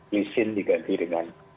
lisin diganti dengan